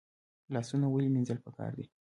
لاسونه ولې مینځل پکار دي؟